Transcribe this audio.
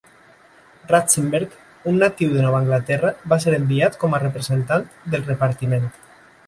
Ratzenberger, un natiu de Nova Anglaterra, va ser enviat com a representant del repartiment.